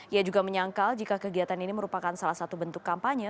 ia juga menyangkal jika kegiatan ini merupakan salah satu bentuk kampanye